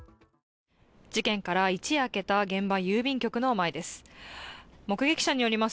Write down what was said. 事件から一夜明けた現場郵便局の前です。